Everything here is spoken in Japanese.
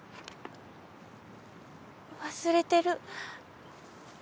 忘れてる。